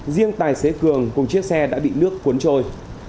riêng tài xế cường cùng chiếc xe đã bị nước cuốn trôi